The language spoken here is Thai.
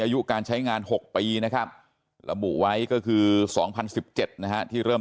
อายุการใช้งาน๖ปีนะครับระบุไว้ก็คือ๒๐๑๗นะฮะที่เริ่ม